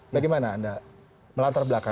bagaimana anda melantar belakang